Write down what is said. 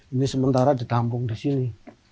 ini sementara ditampung di sini